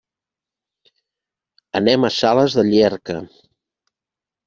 Anem a Sales de Llierca.